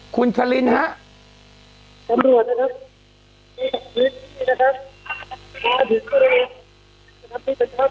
คุณคลินฮะตำรวจนะครับ